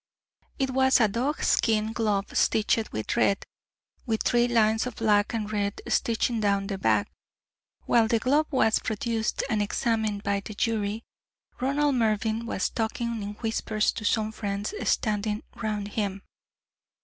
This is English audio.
It was a dog skin glove stitched with red, with three lines of black and red stitching down the back. While the glove was produced and examined by the jury, Ronald Mervyn was talking in whispers to some friends standing round him.